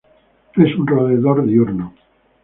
Es un roedor diurno.